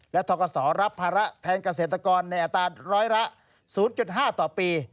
และทกศรับภาระแทนเกษตรกรในอัตราร้อยละ๐๕ต่อปี